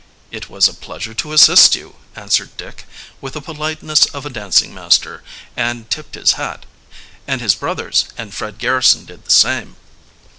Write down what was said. "It was a pleasure to assist you," answered Dick, with the politeness of a dancing master, and tipped his hat; and his brothers and Fred Garrison did the same.